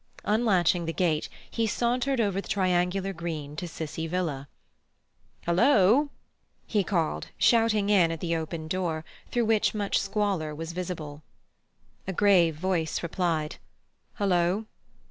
Unlatching the gate, he sauntered over the triangular green to Cissie Villa. "Hullo!" he cried, shouting in at the open door, through which much squalor was visible. A grave voice replied, "Hullo!"